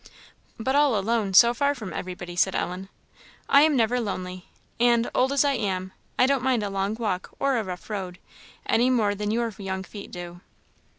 "But all alone, so far from everybody," said Ellen. "I am never lonely; and, old as I am, I don't mind a long walk or a rough road, any more than your young feet do."